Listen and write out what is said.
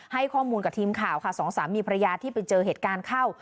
ให้ข้อมูลกับทีมข่าวค่ะสองสามีภรรยาที่ไปเจอเหตุการณ์เข้า